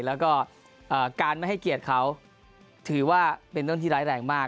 แล้วก็การไม่ให้เกียรติเขาถือว่าเป็นเรื่องที่ร้ายแรงมาก